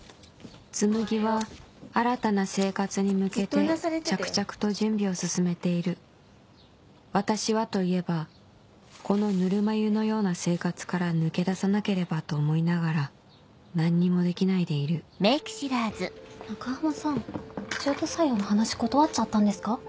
つむぎは新たな生活に向けて着々と準備を進めている私はといえばこのぬるま湯のような生活から抜け出さなければと思いながら何にもできないでいる中浜さん中途採用の話断っちゃったんですか？